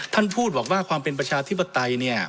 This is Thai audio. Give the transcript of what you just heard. ท่านพูดบอกว่าความเป็นประชาธิปไตยเนี่ย